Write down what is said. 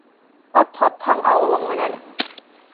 Ат һатһаң ауылың менән